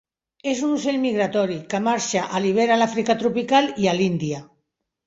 És un ocell migratori, que marxa a l'hivern a l'Àfrica tropical i a l'Índia.